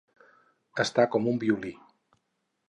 Estar com un violí.